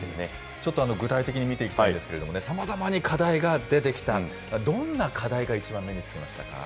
ちょっと具体的に見ていきたいんですけれどもね、さまざまに課題が出てきた、どんな課題がいちばん目につきましたか。